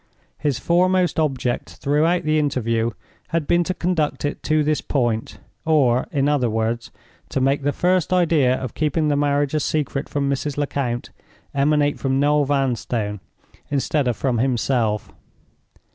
His foremost object throughout the interview had been to conduct it to this point, or, in other words, to make the first idea of keeping the marriage a secret from Mrs. Lecount emanate from Noel Vanstone instead of from himself.